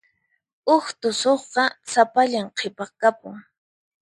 Huk tusuqqa sapallan qhipakapun.